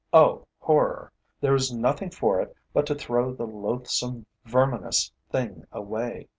O horror! There is nothing for it but to throw the loathsome, verminous thing away.